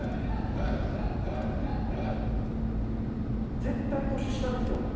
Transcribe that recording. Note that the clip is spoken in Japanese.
絶対年下ですよね。